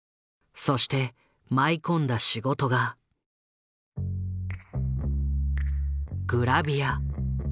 そして舞い込んだ仕事がグラビア。